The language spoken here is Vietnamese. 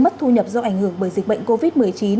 mất thu nhập do ảnh hưởng bởi dịch bệnh covid một mươi chín